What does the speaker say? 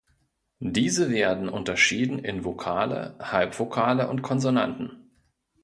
Diese werden unterschieden in Vokale, Halbvokale und Konsonanten.